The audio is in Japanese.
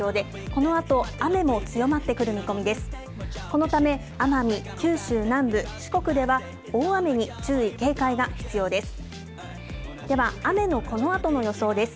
このため奄美、九州南部、四国では大雨に注意、警戒が必要です。